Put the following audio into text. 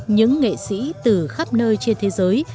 những nghệ sĩ từ khắp nơi trên thế giới